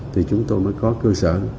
thì chúng tôi mới có cơ sở